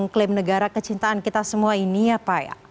mengklaim negara kecintaan kita semua ini ya pak ya